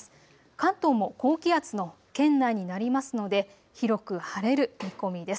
関東も高気圧の圏内になりますので広く晴れる見込みです。